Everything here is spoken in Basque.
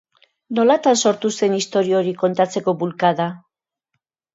Nolatan sortu zen istorio hori kontatzeko bulkada?